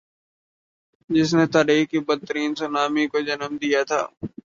جس نی تاریخ کی بدترین سونامی کو جنم دیا تھا۔